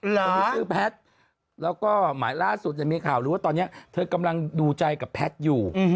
หรอคนที่ชื่อแพทแล้วก็หลักสุดจะมีข่าวหรือว่าตอนนี้เธอกำลังดูใจกับแพทอยู่